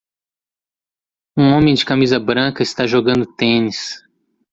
Um homem de camisa branca está jogando tênis.